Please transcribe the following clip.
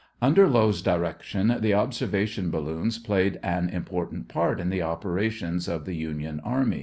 Under Lowe's direction the observation balloons played an important part in the operations of the Union Army.